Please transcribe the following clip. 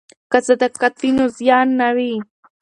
که صداقت وي نو زیان نه وي.